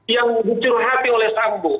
yang dicuruh hati oleh sambu